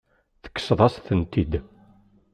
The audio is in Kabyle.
Tekkseḍ-as-tent-id.